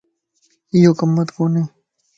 ايو ڪمت ڪوني